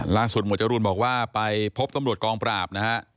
ล่าสุดหมวดจรูลบอกว่าไปพบตำรวจกองปราบนะครับ